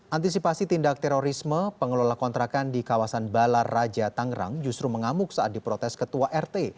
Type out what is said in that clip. antisipasi tindak terorisme pengelola kontrakan di kawasan balar raja tangerang justru mengamuk saat diprotes ketua rt